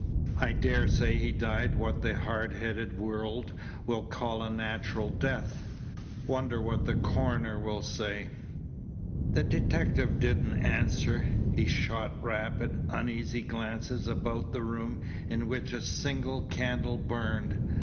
"I daresay he died what the hard headed world will call a natural death. Wonder what the coroner'll say." The detective didn't answer. He shot rapid, uneasy glances about the room in which a single candle burned.